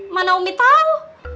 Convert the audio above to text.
mana umi tahu